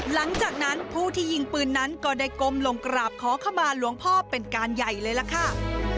หลังจากนั้นผู้ที่ยิงปืนนั้นก็ได้ก้มลงกราบขอขมาหลวงพ่อเป็นการใหญ่เลยล่ะค่ะ